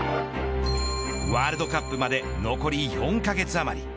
ワールドカップまで残り４カ月余り。